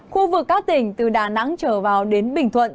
khu vực các tỉnh từ đà nẵng trở vào đến bình thuận